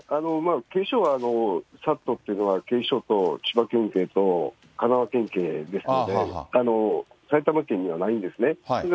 警視庁は、ＳＡＴっていうのは警視庁と千葉県警と神奈川県警ですので、埼玉県にはないんですね。